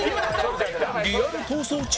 リアル『逃走中』